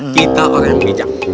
kita orang bijak